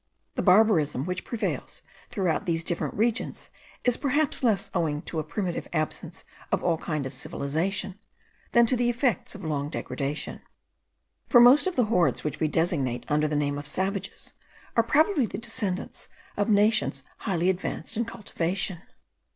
The barbarism which prevails throughout these different regions is perhaps less owing to a primitive absence of all kind of civilization, than to the effects of long degradation; for most of the hordes which we designate under the name of savages, are probably the descendants of nations highly advanced in cultivation.